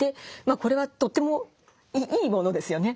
これはとてもいいものですよね。